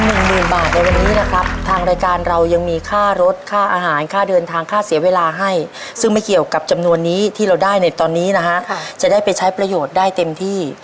หนึ่งหมื่นบาทในวันนี้นะครับทางรายการเรายังมีค่ารถค่าอาหารค่าเดินทางค่าเสียเวลาให้ซึ่งไม่เกี่ยวกับจำนวนนี้ที่เราได้ในตอนนี้นะฮะจะได้ไปใช้ประโยชน์ได้เต็มที่